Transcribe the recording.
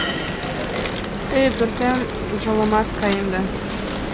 Теве пӧртем ужалемат, каем да...